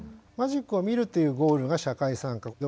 マジックを見るというゴールが社会参加。